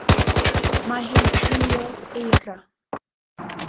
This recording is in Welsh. Mae hi'n pluo eira.